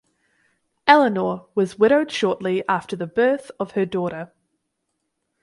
Eleonore was widowed shortly after the birth of her daughter.